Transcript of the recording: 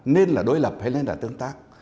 nên là đối lập hay nên là tương tác